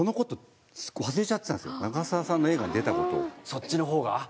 そっちの方が？